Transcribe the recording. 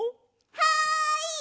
はい！